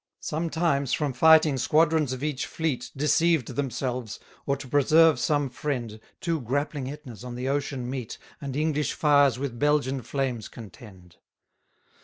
84 Sometimes from fighting squadrons of each fleet, Deceived themselves, or to preserve some friend, Two grappling Ætnas on the ocean meet, And English fires with Belgian flames contend.